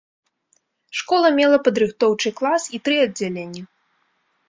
Школа мела падрыхтоўчы клас і тры аддзяленні.